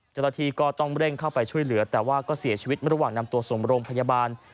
เจ้าหน้าที่ก็ต้องเร่งเข้าไปช่วยเหลือแต่ว่าก็เสียชีวิตระหว่างนำตัวส่งโรงพยาบาล